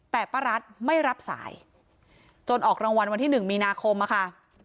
แต่ป้ารัฐไม่รับสายจนออกรางวัลวันที่๑มีนาคมอะค่ะ